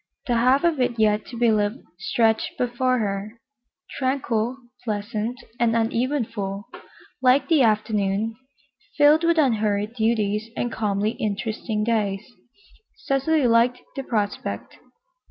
The half of it yet to be lived stretched before her, tranquil, pleasant and uneventful, like the afternoon, filled with unhurried duties and calmly interesting days, Cecily liked the prospect.